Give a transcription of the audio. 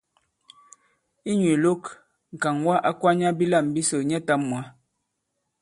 Inyū ìlok, ŋ̀kàŋwa a kwanya bilâm bisò nyɛtām mwǎ.